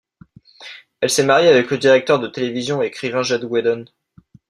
Elle s'est mariée avec le directeur de télévision et écrivain Jed Whedon.